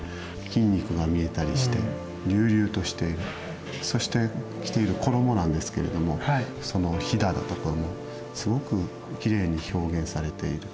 筋肉が見えたりして隆々としてそして着ている衣なんですけれどもそのひだとかもすごくきれいに表現されている。